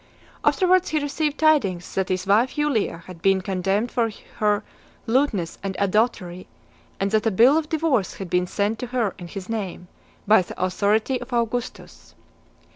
Afterwards he received tidings that his wife Julia had been condemned for her lewdness and adultery, and that a bill of divorce had been sent to her in his name, by the authority of Augustus.